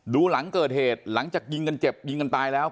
หลังเกิดเหตุหลังจากยิงกันเจ็บยิงกันตายแล้ว